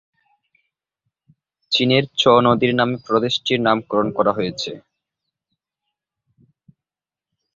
চীনের চ নদীর নামে প্রদেশটির নামকরণ করা হয়েছে।